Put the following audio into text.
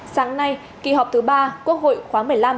sáng nay kỳ họp thứ ba quốc hội khóa một mươi năm